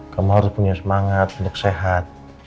kamu harus punya semangat untuk sehat